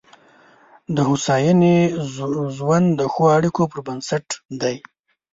د هوساینې ژوند د ښو اړیکو پر بنسټ دی.